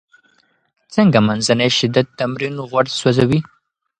څنګه منځنی شدت تمرین غوړ سوځوي؟